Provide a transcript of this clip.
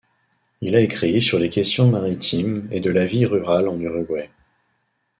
Il a écrit sur les questions maritimes et de la vie rurale en Uruguay.